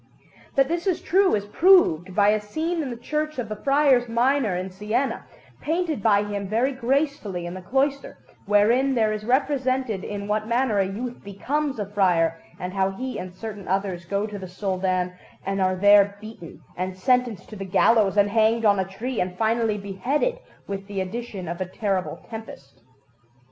That this is true is proved by a scene in the Church of the Friars Minor in Siena, painted by him very gracefully in the cloister, wherein there is represented in what manner a youth becomes a friar, and how he and certain others go to the Soldan, and are there beaten and sentenced to the gallows and hanged on a tree, and finally beheaded, with the addition of a terrible tempest.